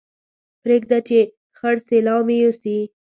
پرېږده چې خړ سېلاو مې يوسي